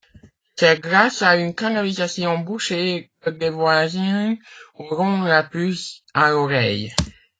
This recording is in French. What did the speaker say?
C’est grâce à une canalisation bouchée que des voisins auront la puce à l'oreille.